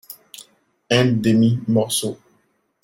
Un demi-morceau.